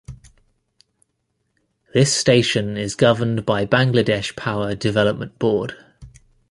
This station is governed by Bangladesh Power Development Board.